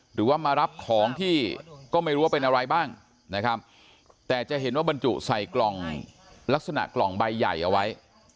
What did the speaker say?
หรือว่ามารับของที่ก็ไม่รู้ว่าเป็นอะไรบ้างนะครับแต่จะเห็นว่าบรรจุใส่กล่องลักษณะกล่องใบใหญ่เอาไว้